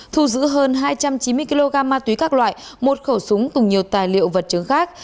thu giữ hơn hai trăm chín mươi kg ma túy các loại một khẩu súng cùng nhiều tài liệu vật chứng khác